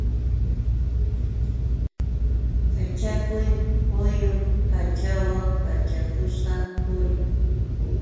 Kachakuq quyu pachawan pachakushqam purin.